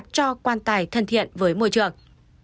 cho quan tài thân thiện với môi trường